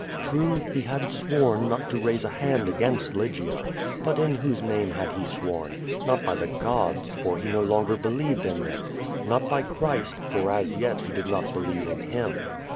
True, he had sworn not to raise a hand against Lygia. But in whose name had he sworn? Not by the gods, for he no longer believed in 254 Q^^ VADI8. them. Not by Christ, for as yet he did not believe in Him.